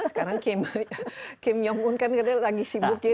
sekarang kim jong un kan katanya lagi sibuk ya